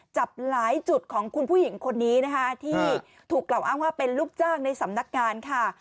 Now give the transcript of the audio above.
จับหลายจุดของคุณผู้หญิงคนนี้นะคะที่ถูกกล่าวอ้างว่าเป็นลูกจ้างในสำนักงานค่ะ